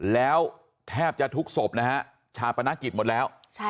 แล้วแทบจะทุกศพนะฮะชาปนกิจหมดแล้ว